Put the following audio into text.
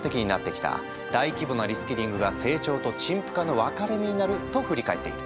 大規模なリスキリングが成長と陳腐化の分かれ目になる」と振り返っている。